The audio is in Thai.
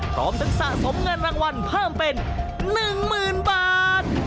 พร้อมทั้งสะสมเงินรางวัลเพิ่มเป็น๑๐๐๐บาท